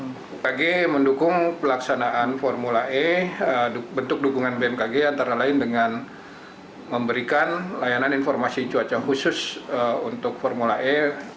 bmkg mendukung pelaksanaan formula e bentuk dukungan bmkg antara lain dengan memberikan layanan informasi cuaca khusus untuk formula e